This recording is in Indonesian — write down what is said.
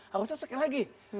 harusnya sekali lagi